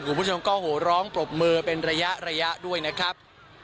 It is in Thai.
คุณผู้ชมก็โหร้องปรบมือเป็นระยะระยะด้วยนะครับ